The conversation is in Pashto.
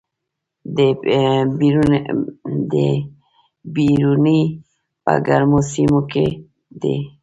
د بیر ونې په ګرمو سیمو کې دي؟